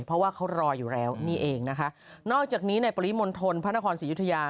เพราะว่าเขารออยู่แล้วนี่เองนะคะนอกจากนี้ในปริมณฑลพระนครศรียุธยา